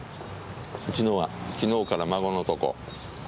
うちのは昨日から孫のとこ。